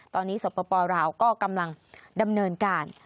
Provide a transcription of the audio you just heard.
ตอนนี้สปลาวก็กำลังดำเนินการ